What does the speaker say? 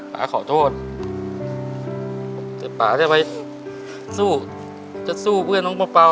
ป่าขอโทษแต่ป่าจะไปสู้จะสู้เพื่อน้องเปล่า